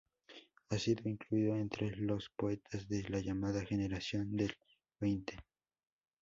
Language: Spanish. Ha sido incluido entre los poetas de la llamada "generación del veinte".